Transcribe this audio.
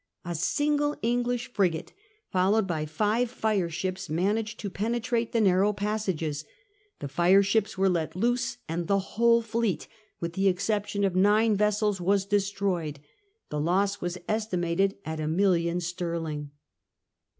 A single English frigate, fleet. followed by five fire ships, managed to pene trate the narrow passages ; the fire ships were let loose, and the whole fleet, with the exception of nine vessels, was destroyed. The loss was estimated at a million sterling.